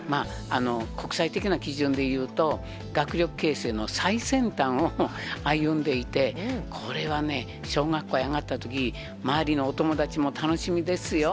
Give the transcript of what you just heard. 国際的な基準でいうと、学力形成の最先端を歩んでいて、これはね、小学校へ上がったとき、周りのお友達も楽しみですよ。